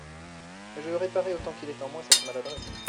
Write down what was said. Mais je veux réparer autant qu'il est en moi cette maladresse.